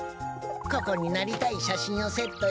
ここになりたいしゃしんをセットして。